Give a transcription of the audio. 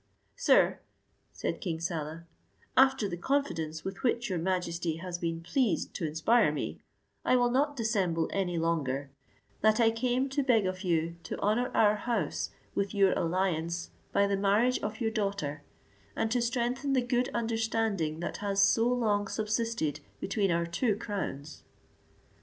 "Sir," said King Saleh, "after the confidence with which your majesty has been pleased to inspire me, I will not dissemble any longer, that I came to beg of you to honour our house with your alliance by the marriage of your daughter, and to strengthen the good understanding that has so long subsisted between our two crowns."